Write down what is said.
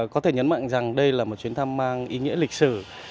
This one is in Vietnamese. có thể nhấn mạnh rằng đây là một chuyến thăm mang ý nghĩa lịch sử